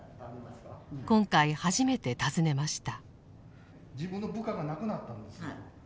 今回初めて訪ねました。